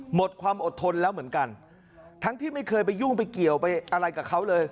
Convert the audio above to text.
หมดความอดทนแล้วเหมือนกันทั้งที่ไม่เคยไปยุ่งไปเกี่ยวไปอะไรกับเขาเลย